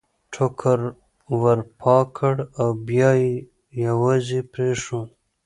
ټوکر ور پاک کړ او بیا یې یوازې پرېښود.